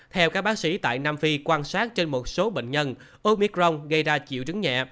theo các bác sĩ tại nam phi quan sát trên một số bệnh nhân omic rong gây ra triệu chứng nhẹ